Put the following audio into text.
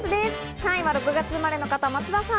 ３位は６月生まれの方、松田さん。